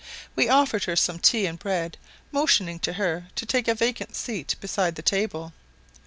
We offered her some tea and bread, motioning to her to take a vacant seat beside the table.